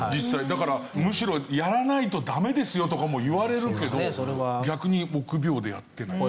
だからむしろ「やらないとダメですよ」とかも言われるけど逆に臆病でやってない。